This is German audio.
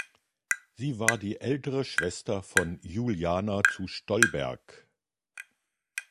Sie war die ältere Schwester von Juliana zu Stolberg.